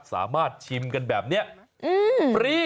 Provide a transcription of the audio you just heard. สามารถชิมกันแบบนี้ฟรี